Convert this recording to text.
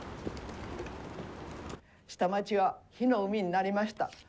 下町は火の海になりました。